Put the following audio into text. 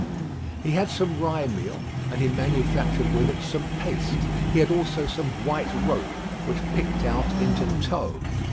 He had some rye meal, and he manufactured with it some paste. He had also some white rope, which picked out into tow.